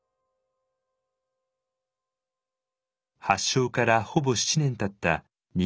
発症からほぼ７年たった